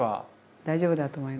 大丈夫だと思います。